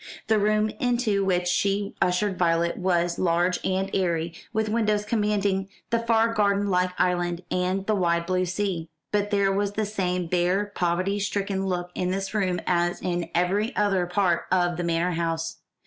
The room into which she ushered Violet was large and airy, with windows commanding the fair garden like island, and the wide blue sea. But there was the same bare, poverty stricken look in this room as in every other part of the manor house.